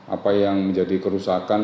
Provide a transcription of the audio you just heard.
apa yang menjadi kerusakan